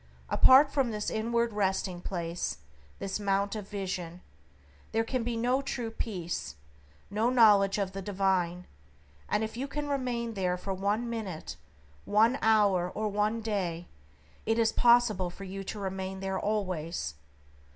Apart from this inward resting place, this Mount of Vision, there can be no true peace, no knowledge of the Divine, and if you can remain there for one minute, one hour, or one day, it is possible for you to remain there always.